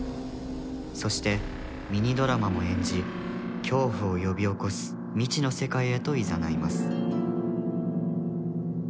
そしてミニドラマも演じ恐怖を呼び起こす未知の世界へといざないます。